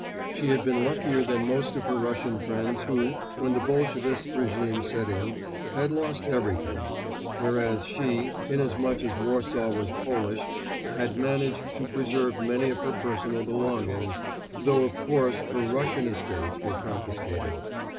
She had been luckier than most of her Russian friends who, when the Bolshevist regime set in, had lost everything; whereas she, inasmuch as Warsaw was Polish, had managed to preserve many of her personal belongings, though of course her Russian estates were confiscated.